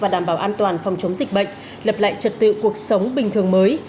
và đảm bảo an toàn phòng chống dịch bệnh lập lại trật tự cuộc sống bình thường mới